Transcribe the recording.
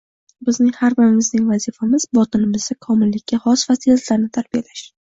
bizning har birimizning vazifamiz — botinimizda komillikka xos fazilatlarni tarbiyalash